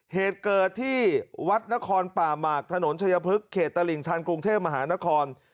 เหตุเกิดที่วัดนครป่าหมากถนนชัยพฤกษเขตตลิ่งชันกรุงเทพมหานคร